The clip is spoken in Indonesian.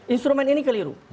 instrumen ini keliru